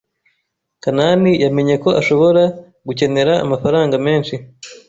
Kanani yamenye ko ashobora gukenera amafaranga menshi.